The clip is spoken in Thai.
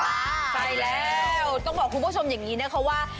ใช่แล้วต้องบอกคุณผู้ชมอย่างนี้นะคะว่า